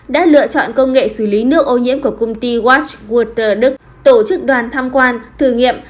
đã lựa chọn công nghệ xử lý nước ô nhiễm của công ty watch walter đức tổ chức đoàn tham quan thử nghiệm